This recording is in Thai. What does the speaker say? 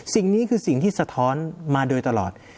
สิ่งนี้คือสิ่งที่สะท้อนมาโดยตลอด